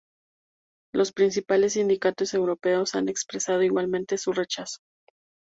Los principales sindicatos europeos han expresado igualmente su rechazo.